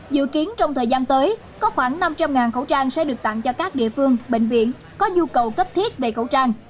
dự kiến trong thời gian tới có khoảng năm trăm linh khẩu trang sẽ được tặng cho các địa phương bệnh viện có nhu cầu cấp thiết về khẩu trang